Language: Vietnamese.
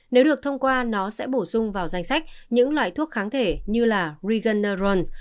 nếu được thông qua nó sẽ bổ sung vào danh sách những loại thuốc kháng thể như regeneron